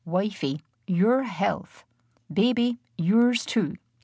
"Wifie, your health! Baby, yours too!"